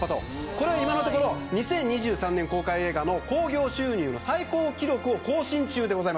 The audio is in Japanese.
これは今のところ２０２３年公開映画の興行収入の最高記録を更新中です。